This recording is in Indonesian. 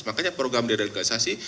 makanya program diradikalisasi